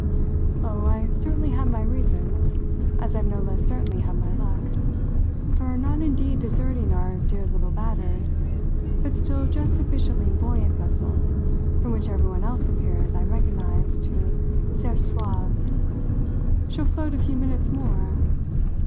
"Oh, I certainly had my reasons as I've no less certainly had my luck for not indeed deserting our dear little battered, but still just sufficiently buoyant vessel, from which everyone else appears, I recognise, to s'être sauvé. She'll float a few minutes more!